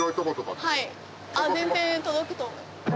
はい全然届くと思います。